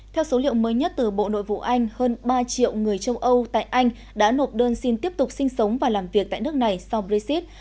theo số liệu mới nhất từ bộ nội vụ anh hơn ba triệu người châu âu tại anh đã nộp đơn xin tiếp tục sinh sống và làm việc tại nước này sau brexit